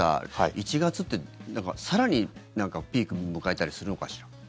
１月って、更にピークを迎えたりするのかしら。